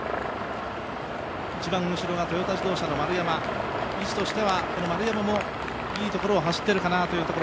一番後ろがトヨタ自動車の丸山、位置としては丸山もいいところを走っているかなというところ。